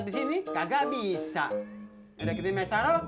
disini kagak bisa